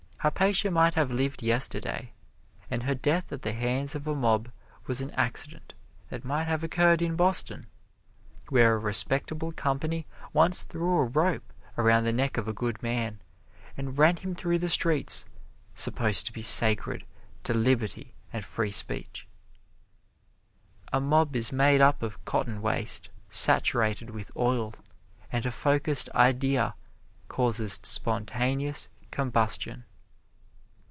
Hypatia might have lived yesterday, and her death at the hands of a mob was an accident that might have occurred in Boston, where a respectable company once threw a rope around the neck of a good man and ran him through streets supposed to be sacred to liberty and free speech. A mob is made up of cotton waste, saturated with oil, and a focused idea causes spontaneous combustion.